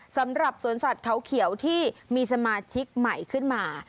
สำหรับสวนสัตว์เขาเขียวที่มีสมาชิกใหม่ขึ้นมา